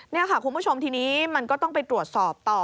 นี่ค่ะคุณผู้ชมทีนี้มันก็ต้องไปตรวจสอบต่อ